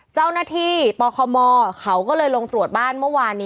เจ้าหน้าที่ปคมเขาก็เลยลงตรวจบ้านเมื่อวานนี้